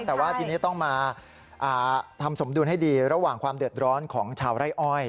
แต่ว่าทีนี้ต้องมาทำสมดุลให้ดีระหว่างความเดือดร้อนของชาวไร่อ้อย